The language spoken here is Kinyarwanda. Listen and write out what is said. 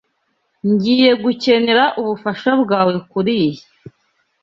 Ngiye gukenera ubufasha bwawe kuriyi.